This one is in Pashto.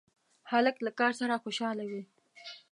هلک له کار سره خوشحاله وي.